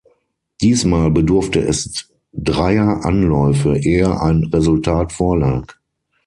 Diesmal bedurfte es dreier Anläufe, ehe ein Resultat vorlag.